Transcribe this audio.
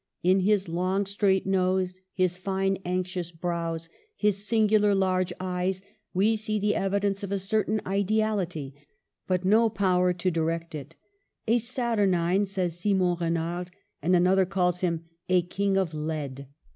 In his long straight nose, his fine anxious brows, his singular large eyes, we see the evidence of a certain ideality, but no power to direct it " A saturnine," says Simon Renard ; and another calls him, '* a King of Lead."